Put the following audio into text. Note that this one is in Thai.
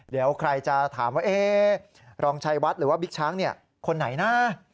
เดี๋ยวใครจะถามว่ารองชัยวัดหรือว่าบิ๊กช้างคนไหนนะ